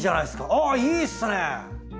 あいいっすね！